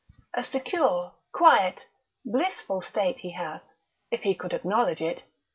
A secure, quiet, blissful state he hath, if he could acknowledge it.